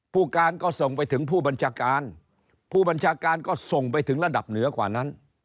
ผู้การก็ส่งไปถึงผู้บัญชาการผู้บัญชาการก็ส่งไปถึงระดับเหนือกว่านั้น